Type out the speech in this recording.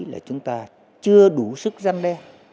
là chúng ta chưa đủ sức dân đe